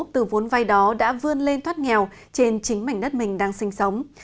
từ vốn vai đó đã vươn lên thoát nghèo trên chính mảnh đất mình đang sinh sống